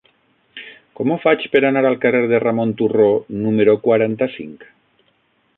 Com ho faig per anar al carrer de Ramon Turró número quaranta-cinc?